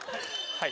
はい！